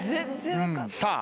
さあ